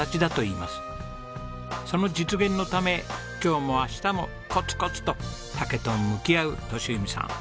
その実現のため今日も明日もコツコツと竹と向き合う利文さん。